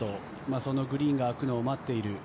そのグリーンがあくのを待っている。